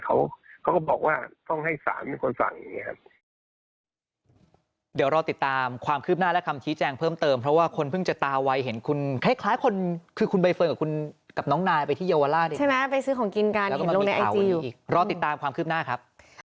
เขาก็บอกว่าต้องให้ศาลเป็นคนสั่งอย่างนี้ครับ